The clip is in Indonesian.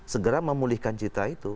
segera memulihkan citra itu